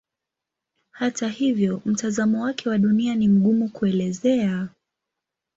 Hata hivyo mtazamo wake wa Dunia ni mgumu kuelezea.